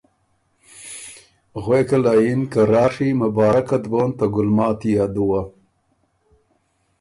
غوېکه له یِن که راڒی مبارکت بون ته ګلماتی ا دُوه،